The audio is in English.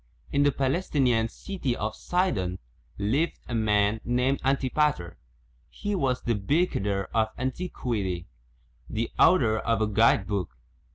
. in the Palestinian 'fit^ of S[i'(ipr|,j lived a man named Antipater. He was the Baedeker of antiquity, the author of a guide book.